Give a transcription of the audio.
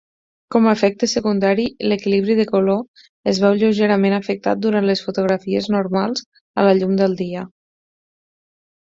Com a efecte secundari, l'equilibri de color es veu lleugerament afectat durant les fotografies normals a la llum del dia.